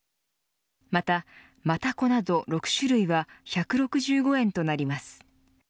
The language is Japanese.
また、真たこなど６種類は１６５円となります。